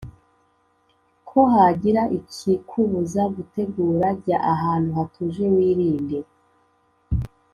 ko hagira ikikubuza gutegura Jya ahantu hatuje wirinde